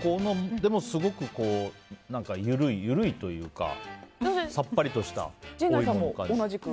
でもすごく緩いというかさっぱりとしたお芋の感じ。